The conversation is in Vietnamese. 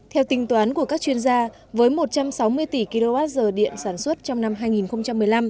theo tính toán của các chuyên gia với một trăm sáu mươi tỷ kwh điện sản xuất trong năm hai nghìn một mươi năm